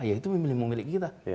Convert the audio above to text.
ya itu memilih kita